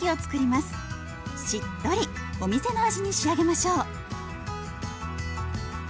しっとりお店の味に仕上げましょう。